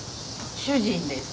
主人です。